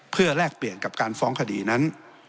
เพื่อแลกเปลี่ยนกับการฟ้องคดีนั้น